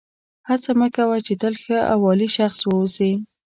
هڅه مه کوه چې تل ښه او عالي شخص واوسې.